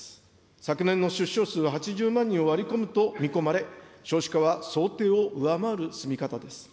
昨年の出生率は８０万人を割り込むと見込まれ、少子化は想定を上回る進み方です。